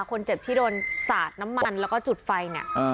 คนเจ็บที่โดนสาดน้ำมันแล้วก็จุดไฟเนี่ย